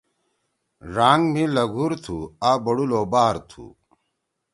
ڙانگ مھی لہگُور تُھو۔ آ بوڑُول او بار تُھو۔